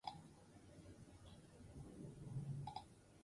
Bere iritziz, taldeak ez zituen kanariarren erasoak ondo defendatu.